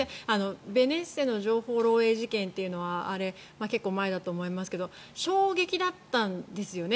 ベネッセの情報漏えい事件というのは結構前だと思いますが衝撃だったんですよね。